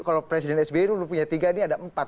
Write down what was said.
kalau presiden sby dulu punya tiga ini ada empat